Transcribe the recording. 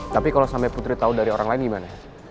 tapi kalo sampe putri tau dari orang lain gimana ya